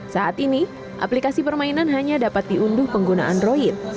saat ini aplikasi permainan hanya dapat diunduh pengguna android